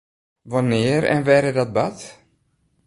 Wannear en wêr is dat bard?